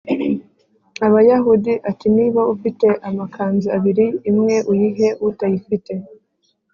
Abayahudi ati niba ufite amakanzu abiri imwe uyihe utayifite